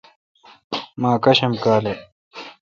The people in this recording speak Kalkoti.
مہ اکاشم کالہ۔